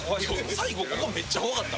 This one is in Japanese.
最後ここめっちゃ怖かった。